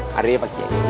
hari ini pagi ini